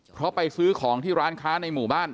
เพราะไปซื้อของที่ร้านค้าในหมู่บ้าน